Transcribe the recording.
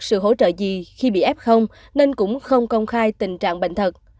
sự hỗ trợ gì khi bị f nên cũng không công khai tình trạng bệnh thật